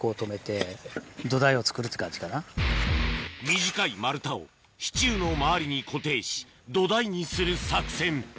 短い丸太を支柱の周りに固定し土台にする作戦